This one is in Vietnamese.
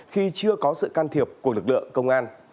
khi chưa có sự can thiệp của lực lượng công an